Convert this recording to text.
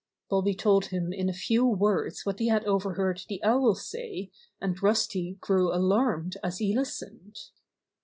Bobby told him in a few words what he had overheard the Owls say, and Rusty grew alarmed as he listened.